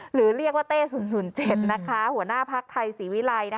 หรือเรียกว่าเต้๐๐๗หัวหน้าพักไทยศรีวิรัย